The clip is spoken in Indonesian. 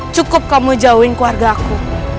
cukup kamu jauhin keluarga aku